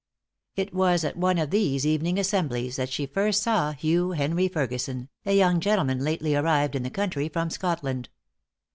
It was at one of these evening assemblies that she first saw Hugh Henry Ferguson, a young gentleman lately arrived in the country from Scotland.